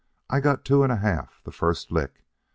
I got two and a half the first lick.